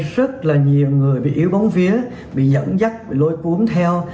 rất là nhiều người bị yếu bóng vía bị dẫn dắt bị lôi cuốn theo